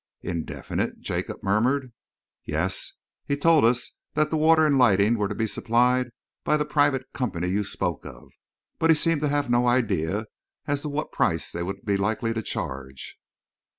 "Indefinite?" Jacob murmured. "Yes. He told us that the water and lighting were to be supplied by the private company you spoke of, but he seemed to have no idea as to what price they would be likely to charge."